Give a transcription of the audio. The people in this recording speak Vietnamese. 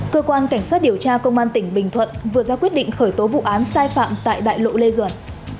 cơ quan cảnh sát điều tra công an tỉnh bình thuận vừa ra quyết định khởi tố vụ án sai phạm tại đại lộ lê duẩn